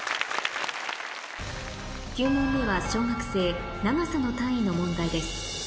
９問目は小学生長さの単位の問題です